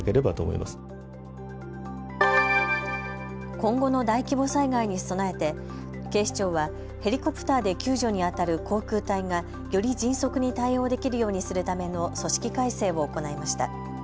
今後の大規模災害に備えて警視庁はヘリコプターで救助にあたる航空隊がより迅速に対応できるようにするための組織改正を行いました。